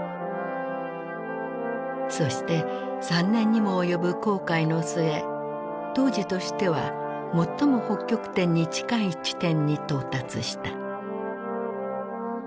そして３年にも及ぶ航海の末当時としては最も北極点に近い地点に到達した。